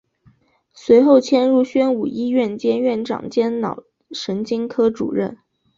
随后迁入宣武医院任院长兼脑神经科主任。